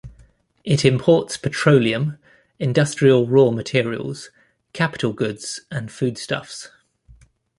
It imports petroleum, industrial raw materials, capital goods, and foodstuffs.